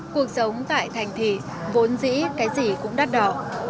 cuộc sống tại thành thị vốn dĩ cái gì cũng đắt đỏ